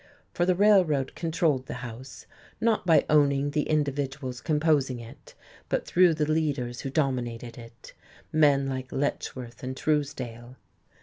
For the Railroad controlled the House, not by owning the individuals composing it, but through the leaders who dominated it, men like Letchworth and Truesdale.